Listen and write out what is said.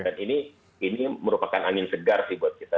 dan ini merupakan angin segar sih buat kita